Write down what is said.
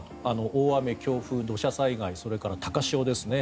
大雨、強風、土砂災害それから高潮ですね。